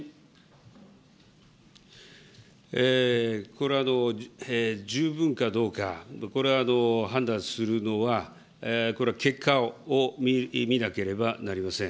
これは十分かどうか、これは判断するのは、これは結果を見なければなりません。